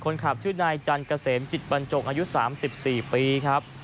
คนขับชื่อนายจันเกษมจิตบรรจงอายุ๓๔ปีครับ